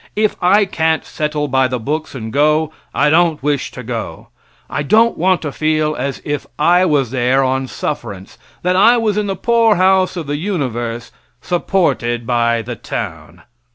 If I can't settle by the books and go, I don't wish to go. I don't want to feel as if I was there on sufferance that I was in the poorhouse of the universe, supported by the town.